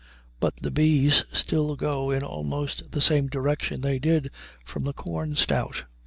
But the bees still go in almost the same direction they did from the corn stout.